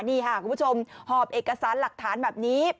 นี่ค่ะคุณผู้ชมหอบเอกสารหลักฐานแบบนี้